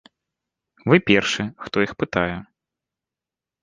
Вы першы, хто іх пытае.